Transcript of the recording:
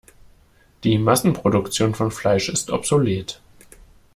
Die Massenproduktion von Fleisch ist obsolet.